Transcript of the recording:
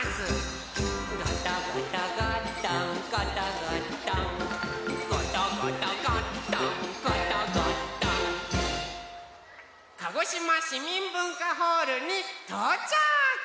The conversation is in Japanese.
「ゴトゴトゴットンゴトゴットン」「ゴトゴトゴットンゴトゴットン」鹿児島しみんぶんかホールにとうちゃく！